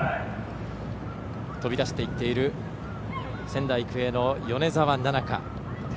飛び出していっている仙台育英の米澤奈々香。